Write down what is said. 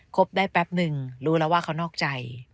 บได้แป๊บนึงรู้แล้วว่าเขานอกใจ